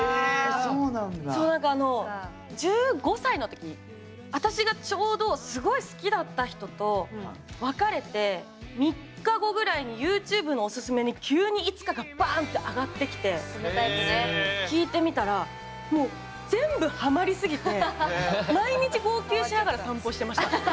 そう何かあの１５歳の時にあたしがちょうどすごい好きだった人と別れて３日後ぐらいにＹｏｕＴｕｂｅのおすすめに急に「いつか」がバンッて上がってきて聴いてみたらもう全部ハマりすぎて毎日号泣しながら散歩してました。